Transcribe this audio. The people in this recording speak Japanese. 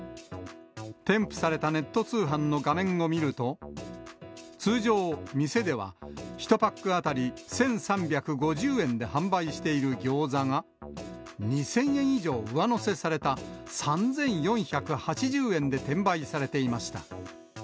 添付されたネット通販の画面を見ると、通常、店では１パック当たり１３５０円で販売しているギョーザが、２０００円以上上乗せされた、３４８０円で転売されていました。